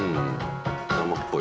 生っぽい。